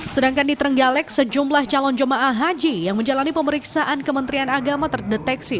sedangkan di trenggalek sejumlah calon jemaah haji yang menjalani pemeriksaan kementerian agama terdeteksi